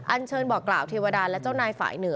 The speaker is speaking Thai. เชิญบอกกล่าวเทวดาและเจ้านายฝ่ายเหนือ